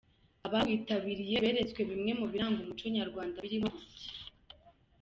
Abawitabiriye beretswe bimwe mu biranga umuco nyarwanda birimo gusya.